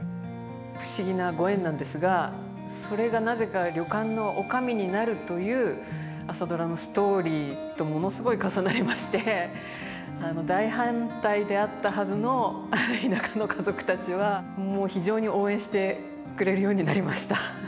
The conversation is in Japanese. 不思議なご縁なんですがそれがなぜか旅館の女将になるという「朝ドラ」のストーリーとものすごい重なりまして大反対であったはずの田舎の家族たちはもう非常に応援してくれるようになりました。